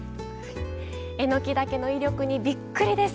えのきだけの威力にびっくりです！